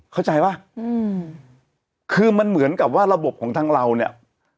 เข้าใจป่ะอืมคือมันเหมือนกับว่าระบบของทางเราเนี่ย